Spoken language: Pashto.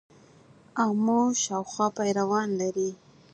آمو شاوخوا پیروان لري.